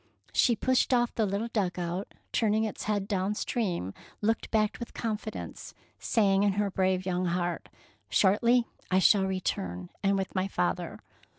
She pushed off the little dug out, and turning its head down stream looked back with con fidence, saying in her brave young heart, —" Shortly I shall return, and with my father.